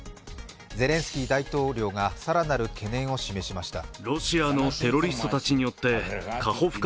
ゼレンスキー大統領がさらなる懸念を示しました。